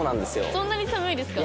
そんなに寒いですか？